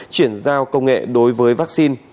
chuyển giao công nghệ đối với vaccine